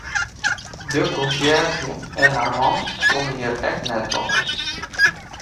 De konsjerzje en har man komme hjir ek net wei.